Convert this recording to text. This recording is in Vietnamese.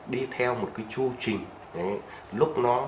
đi theo một chư trình